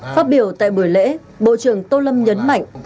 phát biểu tại buổi lễ bộ trưởng tô lâm nhấn mạnh